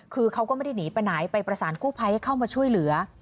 คือเขาก็ไม่ได้หนีไปไหนไปประสานกู้ภัยให้เข้ามาช่วยเหลือ